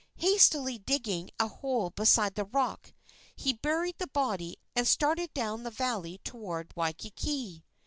Hastily digging a hole beside the rock, he buried the body and started down the valley toward Waikiki.